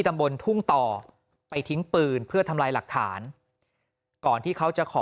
ตำบลทุ่งต่อไปทิ้งปืนเพื่อทำลายหลักฐานก่อนที่เขาจะขอ